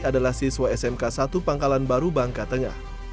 adalah siswa smk satu pangkalan baru bangka tengah